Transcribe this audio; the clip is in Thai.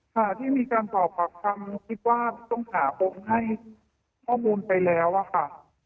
ค่ะที่มีการสอบผักทั้งคิดว่าต้องหาโปรงให้ข้อมูลไปแล้วค่ะ